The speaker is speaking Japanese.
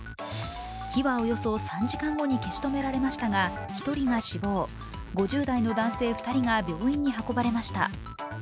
火はおよそ３時間後に消し止められましたが１人が死亡５０代の男性２人が病院に運ばれました。